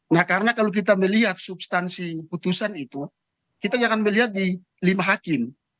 nah karena kalau kita melihat substansi putusan itu kita jangan melihat di lima hakim